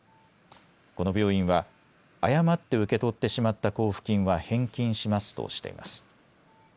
この病院は誤って受け取ってしまった交付金は返金しますとしています。